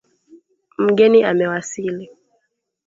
Mgeni amewasili